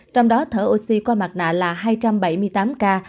trong đó thở oxy qua mặt nạ là hai trăm bảy mươi tám ca